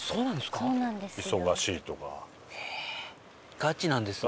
ガチなんですね。